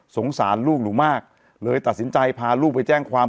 สงสารลูกหนูมากเลยตัดสินใจพาลูกไปแจ้งความ